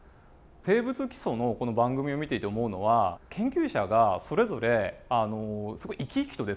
「生物基礎」のこの番組を見ていて思うのは研究者がそれぞれすごい生き生きとですね